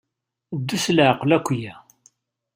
Ddu s leɛqel akya.